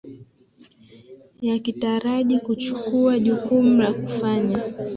yakitaraji kuchukua jukumu la kufanya